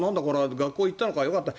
学校行ったのかよかったな。